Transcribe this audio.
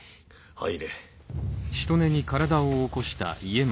入れ。